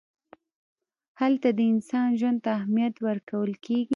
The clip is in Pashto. هلته د انسان ژوند ته اهمیت ورکول کېږي.